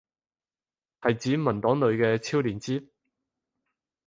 係指文檔裏嘅超連接？